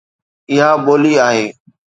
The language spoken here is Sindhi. اها ٻولي آهي